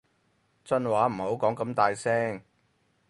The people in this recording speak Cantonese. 真話唔好講咁大聲